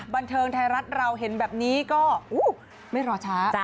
บันเทิงไทยรัฐเราเห็นแบบนี้ก็ไม่รอช้า